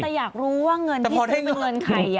แต่อยากรู้ว่าเงินที่ขึ้นเป็นเงินใคร